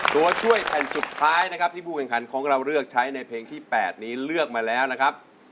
ตัวช่วยแผ่นสุดท้ายนะครับที่ผู้แข่งขันของเราเลือกใช้ในเพลงที่๘นี้เลือกมาแล้วนะครับ